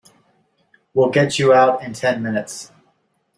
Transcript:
We'll get you out in ten minutes.